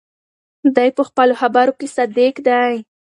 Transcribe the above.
دی په خپلو خبرو کې صادق دی.